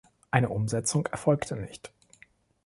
Eine Umsetzung erfolgte nicht.